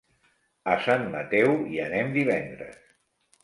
A Sant Mateu hi anem divendres.